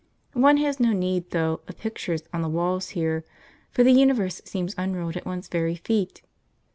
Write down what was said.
One has no need, though, of pictures on the walls here, for the universe seems unrolled at one's very feet.